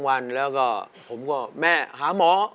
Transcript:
วันแล้วก็ผมก็แม่หาหมอ